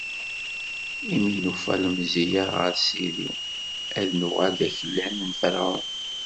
Imi i nufa lemziyya ɣer sidi, ad nuɣal d aklan n Ferɛun.